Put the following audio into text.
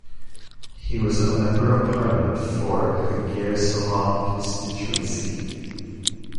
He was member of Parliament for Hagere-Selam constituency.